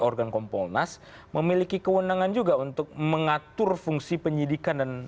organ kompolnas memiliki kewenangan juga untuk mengatur fungsi penyidikan dan